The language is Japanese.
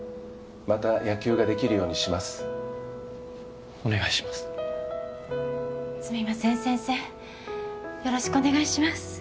また野球ができるようにしますお願いします